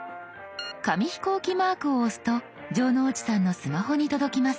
紙飛行機マークを押すと城之内さんのスマホに届きます。